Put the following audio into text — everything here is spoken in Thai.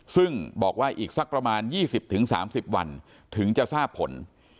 ซึ่งบอกว่าอีกสักประมาณ๒๐๓๐วันถึงจะทราบผล